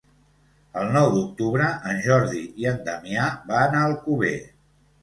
El nou d'octubre en Jordi i en Damià van a Alcover.